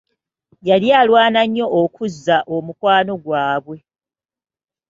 Yali alwana nnyo okuzza omukwano gwabwe.